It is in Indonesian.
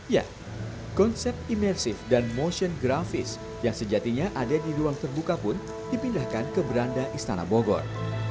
ya konsep imersif dan motion grafis yang sejatinya ada di ruang terbuka pun dipindahkan ke beranda istana bogor